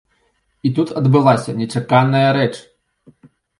І тут адбылася нечаканая рэч.